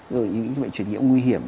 rồi những bệnh truyền nhiễm nguy hiểm